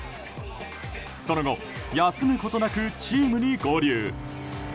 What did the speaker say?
その後、休むことなくチームに合流。